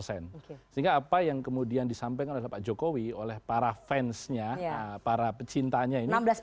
jadi apa yang kemudian disampaikan oleh pak jokowi oleh para fansnya para pecintanya ini